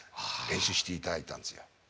練習していただいたんですよ。